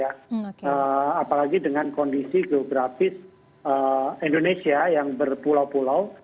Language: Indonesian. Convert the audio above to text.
apalagi dengan kondisi geografis indonesia yang berpulau pulau